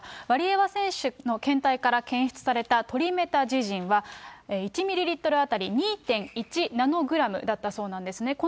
ワリエワ選手の検体から検出されたトリメタジジンは、１ミリリットル当たり２．１ナノグラムだったそうなんですね。